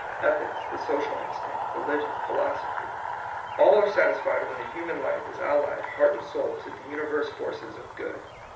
Ethics, the social instinct, religion, philos ophy, — all are satisfied when the human life is allied heart and soul to the universe forces of Good.